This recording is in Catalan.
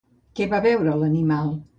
Què va veure l'animal?